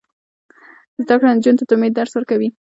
زده کړه نجونو ته د امید درس ورکوي.